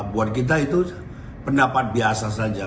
buat kita itu pendapat biasa saja